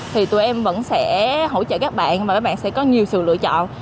thì tụi em vẫn sẽ hỗ trợ các bạn và mấy bạn sẽ có nhiều sự lựa chọn